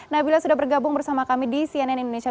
nabila sudah bergabung bersama kami di cnn indonesia